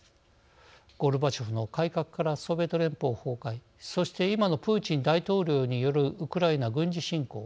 ゴルバチョフの改革からソビエト連邦崩壊そして今のプーチン大統領によるウクライナ軍事侵攻。